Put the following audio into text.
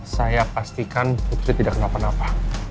saya pastikan itu tidak kenapa napa